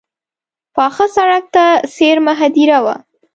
پاخه سړک ته څېرمه هدیره وه.